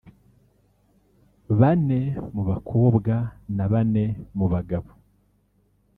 bane mu bakobwa na bane mu bagabo